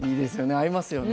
合いますよね。